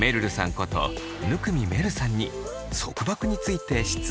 こと生見愛瑠さんに束縛について質問が。